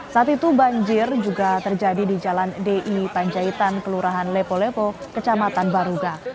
saat itu banjir juga terjadi di jalan di panjaitan kelurahan lepo lepo kecamatan baruga